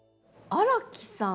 荒木さん。